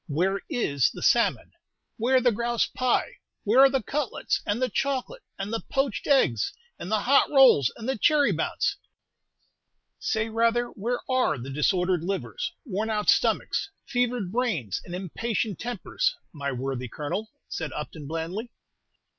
Where is the salmon where the grouse pie where are the cutlets and the chocolate and the poached eggs and the hot rolls, and the cherry bounce?" "Say, rather, where are the disordered livers, worn out stomachs, fevered brains, and impatient tempers, my worthy Colonel?" said Upton, blandly.